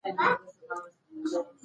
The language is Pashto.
میرویس نیکه د یو عادل نظام غوښتونکی و.